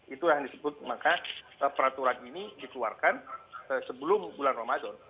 itulah yang disebut maka peraturan ini dikeluarkan sebelum bulan ramadan